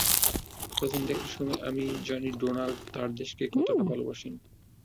প্রথম দেখার সময় থেকেই আমি জানি ডোনাল্ড তাঁর দেশকে কতটা ভালোবাসেন।